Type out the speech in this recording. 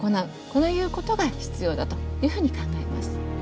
こういうことが必要だというふうに考えます。